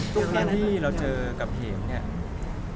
ทุกทีที่เราเจอกับเหยงเนี่ย